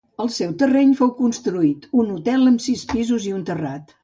Al seu terreny fou construït un hotel amb sis pisos i un terrat.